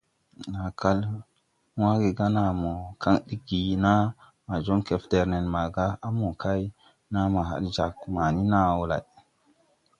Naa kal wãã ge ga naa mo kaŋ ɗig gi naa ma joŋ kɛfder nen màgà à mo kay naa ma had jāg mani naa wɔ lay.